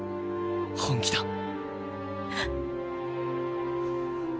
本気だ。